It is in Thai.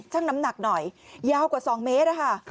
น้ำหนักหน่อยยาวกว่า๒เมตรนะคะ